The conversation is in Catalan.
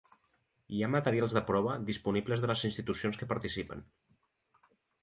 Hi ha materials de prova disponibles de les institucions que participen.